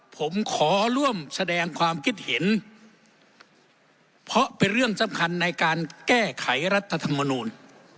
ผมขอร่วมแสดงความคิดเห็นเพราะเป็นเรื่องสำคัญในการแก้ไขรัฐธรรมนูล